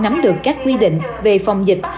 nắm được các quy định về phòng dịch